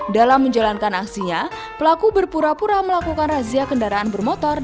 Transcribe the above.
dalam menjalankan aksinya pelaku berpura pura melakukan razia kendaraan bermotor